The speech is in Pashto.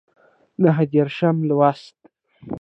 نهه دیرشم لوست